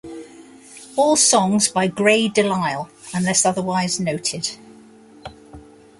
All songs by Grey DeLisle, unless otherwise noted.